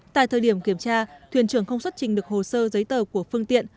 tại thời điểm kiểm tra thuyền trưởng không xuất trình được hồ sơ giấy tờ của phương tiện